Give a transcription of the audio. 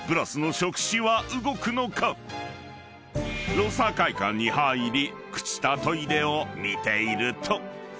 ［ロサ会館に入り朽ちたトイレを見ていると］